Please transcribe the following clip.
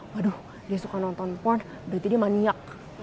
waduh dia suka nonton port berarti dia maniak